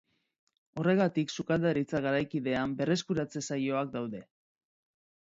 Horregatik, sukaldaritza garaikidean berreskuratze saioak daude.